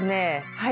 はい。